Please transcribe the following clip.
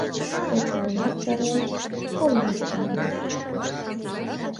Кочмыжымат чарныш, ойлаш тӱҥале: